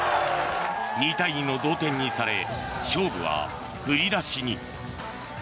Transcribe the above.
２対２の同点にされ勝負は振り出しに。